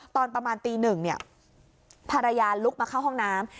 ตอนประมาณตีหนึ่งเนี่ยภรรยาลุกมาเข้าห้องน้ำ